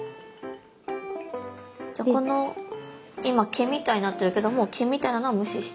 じゃこの今毛みたいになってるけどもう毛みたいなのは無視して。